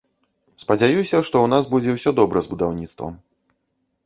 Спадзяюся, што ў нас будзе ўсё добра з будаўніцтвам.